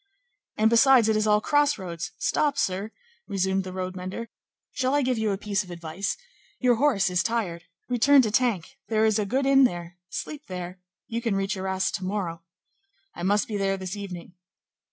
"And, besides, it is all crossroads; stop! sir," resumed the road mender; "shall I give you a piece of advice? your horse is tired; return to Tinques; there is a good inn there; sleep there; you can reach Arras to morrow." "I must be there this evening."